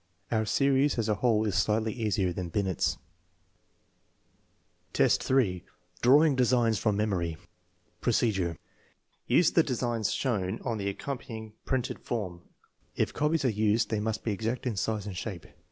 Our series as a whole is slightly easier than Binet's. 260 TJUfi MEAbLKJ^iVUbiM UJb UN I X, 3. Drawing designs from memory Procedure. Use the designs shown on the accompany ing printed form. If copies are used they must be exact in size and shape.